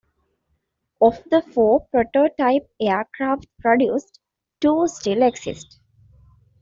Of the four prototype aircraft produced, two still exist.